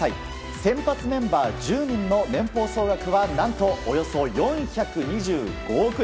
先発メンバー１０人の年俸総額は何とおよそ４２５億円。